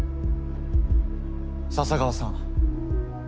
笹川さん